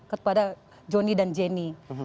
kepada jonny dan jenny